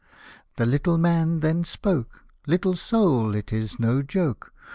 The little Man then spoke, " Little Soul, it is no joke.